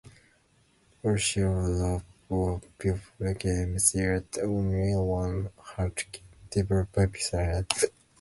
All shared a love for video games, yet only one had game development experience.